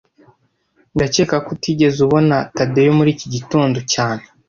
Ndakeka ko utigeze ubona Tadeyo muri iki gitondo cyane